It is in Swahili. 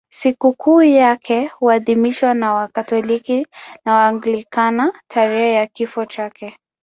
Sikukuu yake huadhimishwa na Wakatoliki na Waanglikana tarehe ya kifo chake.